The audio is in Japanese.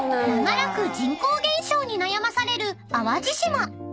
［長らく人口減少に悩まされる淡路島］